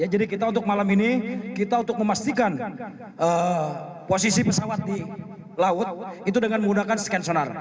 jadi kita untuk malam ini kita untuk memastikan posisi pesawat di laut itu dengan menggunakan sken sonar